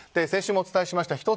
先週もお伝えしました